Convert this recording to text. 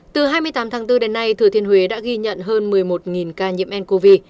từ hai mươi tám tháng bốn đến nay thừa thiên huế đã ghi nhận hơn một mươi một ca nhiễm ncov